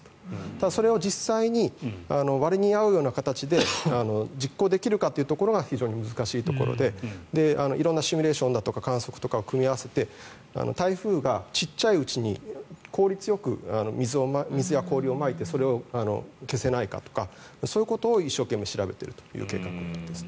ただ、それを実際に割に合う形で実行できるかというところが非常に難しいところで色んなシミュレーションとか観測を組み合わせて台風がちっちゃいうちに効率よく水や氷をまいてそれを消せないかとかそういうことを一生懸命調べているという計画です。